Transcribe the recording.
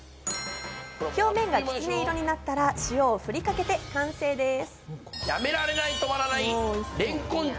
表面がきつね色になったら、塩を振りかけて完成です。